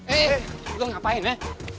eh lo ngapain ya